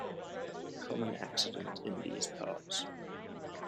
Common accident in these parts.